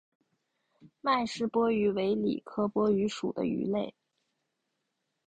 麦氏波鱼为鲤科波鱼属的鱼类。